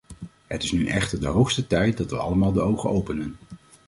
Het is nu echter de hoogste tijd dat we allemaal de ogen openen.